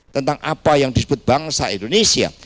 tentang apa yang disebut bangsa indonesia